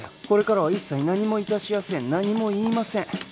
これからは一切何もいたしやせん何も言いません